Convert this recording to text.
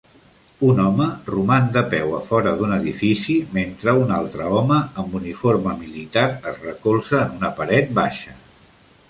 Un home roman de peu a fora d'un edifici mentre un altre home amb uniforme militar es recolza en una paret baixa